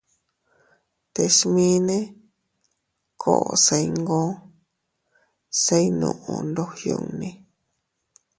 Te smine koo se iyngoo se iynuʼu ndog yunni.